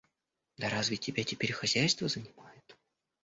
Да разве тебя теперь хозяйство занимает?